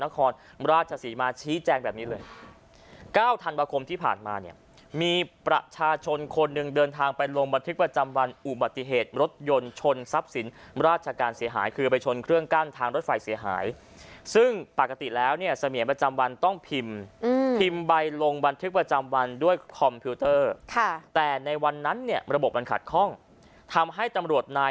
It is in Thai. นครราชศรีมาชี้แจงแบบนี้เลย๙ธันวาคมที่ผ่านมาเนี่ยมีประชาชนคนหนึ่งเดินทางไปลงบันทึกประจำวันอุบัติเหตุรถยนต์ชนทรัพย์สินราชการเสียหายคือไปชนเครื่องกั้นทางรถไฟเสียหายซึ่งปกติแล้วเนี่ยเสมียประจำวันต้องพิมพ์พิมพ์ใบลงบันทึกประจำวันด้วยคอมพิวเตอร์ค่ะแต่ในวันนั้นเนี่ยระบบมันขัดข้องทำให้ตำรวจนาย